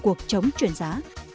cuộc chống chuyển giá